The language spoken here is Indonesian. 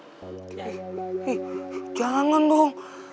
ih jangan dong